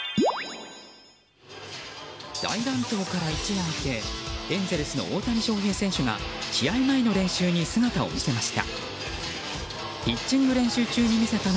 大乱闘から一夜明けエンゼルスの大谷翔平投手が試合前の練習に姿を見せました。